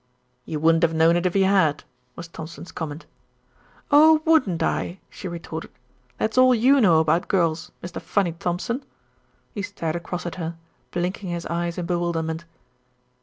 "You wouldn't have known it if he had," was Thompson's comment. "Oh! wouldn't I?" she retorted. "That's all you know about girls, Mr. Funny Thompson." He stared across at her, blinking his eyes in bewilderment.